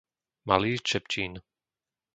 Malý Čepčín